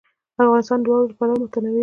افغانستان د واوره له پلوه متنوع دی.